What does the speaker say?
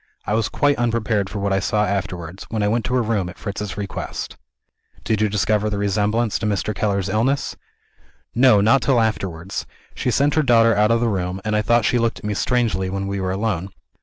I was quite unprepared for what I saw afterwards, when I went to her room at Fritz's request. "Did you discover the resemblance to Mr. Keller's illness?" "No not till afterwards. She sent her daughter out of the room; and I thought she looked at me strangely, when we were alone.